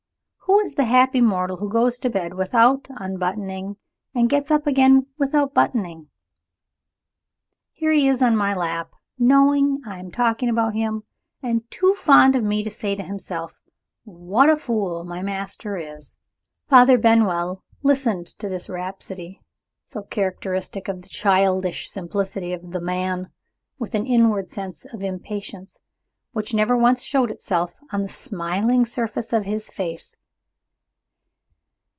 Who is the happy mortal who goes to bed without unbuttoning, and gets up again without buttoning? Here he is, on my lap, knowing I am talking about him, and too fond of me to say to himself, 'What a fool my master is!'" Father Benwell listened to this rhapsody so characteristic of the childish simplicity of the man with an inward sense of impatience, which never once showed itself on the smiling surface of his face.